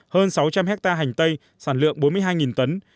hơn sáu trăm linh hectare hành tây sản lượng bốn mươi hai tấn